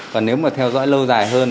còn nếu mà theo dõi lâu dài hơn